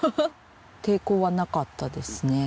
抵抗はなかったですね。